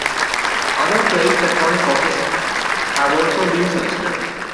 Other plate tectonic causes have also been suggested.